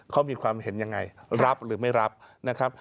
เขามีความเห็นยังไงรับหรือไม่รับนะครับ